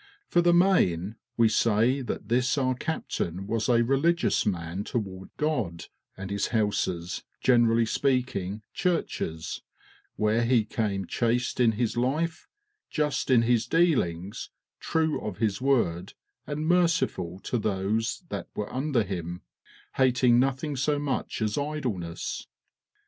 For the main, we say that this our captain was a religious man toward God, and his houses, generally speaking, churches, where he came chaste in his life, just in his dealings, true of his word, and merciful to those that were under him, hating nothing so much as idleness."